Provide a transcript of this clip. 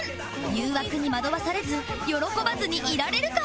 誘惑に惑わされず喜ばずにいられるか？